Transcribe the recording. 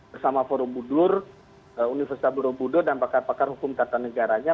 bersama forum budur universitas borobudur dan pakar pakar hukum tata negaranya